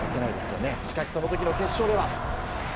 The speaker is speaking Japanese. しかしその時の決勝では。